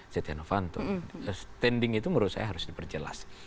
standing itu menurut saya harus diperjelas